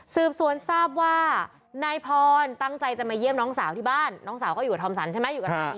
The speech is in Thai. สืบสวนทราบว่านายพรตั้งใจจะมาเยี่ยมน้องสาวที่บ้านน้องสาวก็อยู่กับธรรมสรรค์ใช่ไหม